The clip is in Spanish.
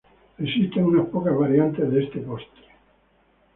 Existen unas pocas variantes de este postre.